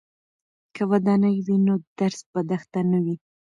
که ودانۍ وي نو درس په دښته نه وي.